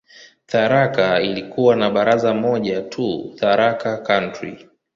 Tharaka ilikuwa na baraza moja tu, "Tharaka County".